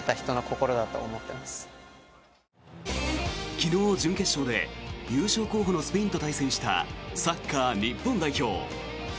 昨日、準決勝で優勝候補のスペインと対戦したサッカー日本代表。